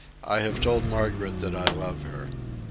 I have told Margaret that I love her.